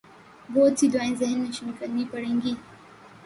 بہت سی دعائیں ذہن نشین کرنی پڑیں گی۔